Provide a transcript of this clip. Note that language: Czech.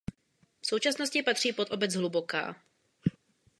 V současnosti patří pod obec Hluboká.